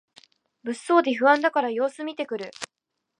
物騒で不安だから様子みてくる